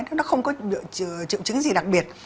nó không có triệu chứng gì đặc biệt